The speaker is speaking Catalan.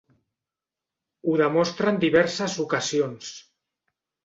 Ho demostra en diverses ocasions.